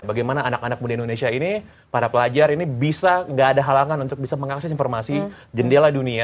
bagaimana anak anak muda indonesia ini para pelajar ini bisa nggak ada halangan untuk bisa mengakses informasi jendela dunia